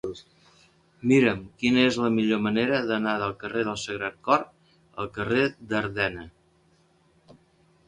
Mira'm quina és la millor manera d'anar del carrer del Sagrat Cor al carrer d'Ardena.